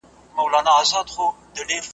دا نا پایه لوی کاروان دی هر انسان پکښي ځاییږي .